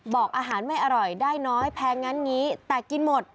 บอกอาหารไม่อร่อยได้น้อยแพงงั้นงี้แต่กินหมด